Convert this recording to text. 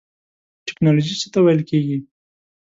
ټیکنالوژی څه ته ویل کیږی؟